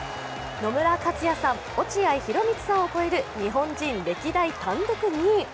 野村克也さん、落合博満さんを超える日本人歴代単独２位。